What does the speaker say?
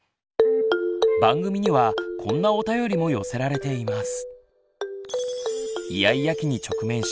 番組にはこんなお便りも寄せられています。